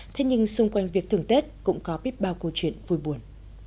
thế nhưng xung quanh việc thường tết cũng có biết bao câu chuyện vui buồn